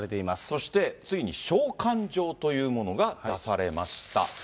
そして、ついに召喚状というものが出されました。